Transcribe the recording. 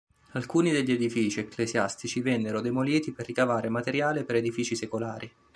Alcuni degli edifici ecclesiastici vennero demoliti per ricavarne materiale per edifici secolari.